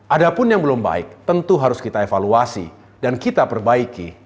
ada pun yang belum baik tentu harus kita evaluasi dan kita perbaiki